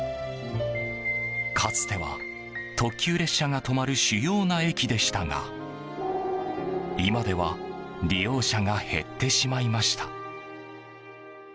かつては、特急列車が止まる主要な駅でしたが今では利用者が減ってしまいました。